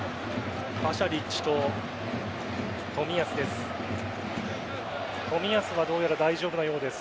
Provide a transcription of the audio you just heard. パシャリッチと冨安です。